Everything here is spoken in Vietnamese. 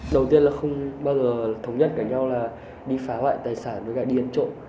đầu tiên là không bao giờ thống nhất cả nhau là đi phá hoại tài sản với cái điên trộm